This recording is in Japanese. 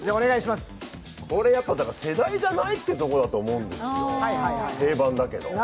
これやっぱ世代がないってとこだと思うんですよ、定番だけど。